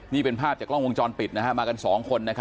นี่เป็นภาพจากล้องวงจรปิดมากันสองคนนะครับ